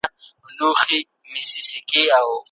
د برجونو لرل په یوه سیمه کې د ناامنۍ څرګنده نښه ده.